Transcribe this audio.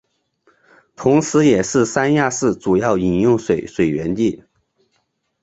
同时也是三亚市主要饮用水水源地。